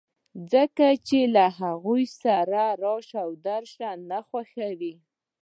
ځکه چې له هغوی سره يې راشه درشه نه خوښېږي.